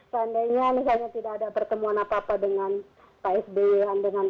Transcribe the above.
pandainya misalnya tidak ada pertemuan apa apa dengan pak sby dan pak jokowi